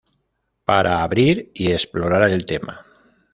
Para abrir y explorar el tema.